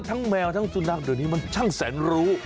แมวทั้งสุนัขเดี๋ยวนี้มันช่างแสนรู้